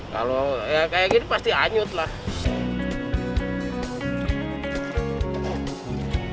kalau ya kayak gini pasti anyut lah